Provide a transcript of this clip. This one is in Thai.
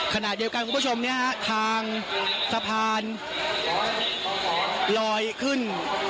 ขณะเดียวกันคุณผู้ชมทางสะพานลอยขึ้น